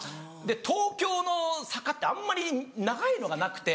東京の坂ってあんまり長いのがなくて。